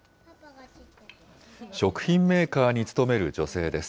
食品メーカーに勤める女性です。